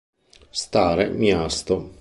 Stare Miasto